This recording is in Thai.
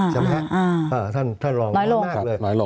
ใช่ไหมฮะท่านรองมากเลย